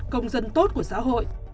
công dân tốt của xã hội